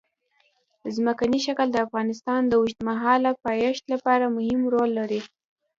ځمکنی شکل د افغانستان د اوږدمهاله پایښت لپاره مهم رول لري.